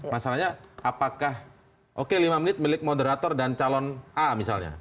masalahnya apakah oke lima menit milik moderator dan calon a misalnya